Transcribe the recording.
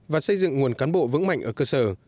và xây dựng nguồn cán bộ vững mạnh ở cơ sở